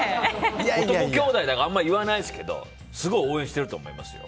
男兄弟だからあんまり言わないですけどすごい応援してると思いますよ。